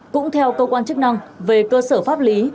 cũng theo cơ quan chức năng về cơ sở pháp lý